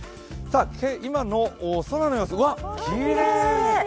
今の空の様子、わ、きれい！